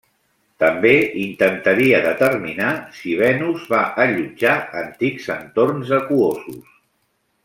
També intentaria determinar si Venus va allotjar antics entorns aquosos.